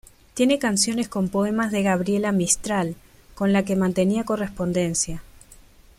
Tiene canciones con poemas de Gabriela Mistral, con la que mantenía correspondencia.